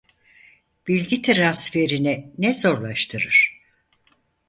Bilgi transferini ne zorlaştırır?